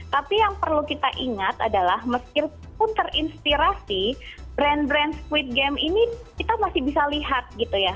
tapi yang perlu kita ingat adalah meskipun terinspirasi brand brand squid game ini kita masih bisa lihat gitu ya